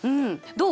どう？